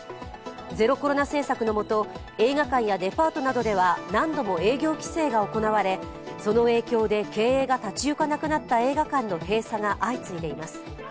ゼロコロナ政策のもと映画館やデパートなどでは何度も営業規制が行われその影響で経営が立ち行かなくなった映画館の閉鎖が相次いでいます。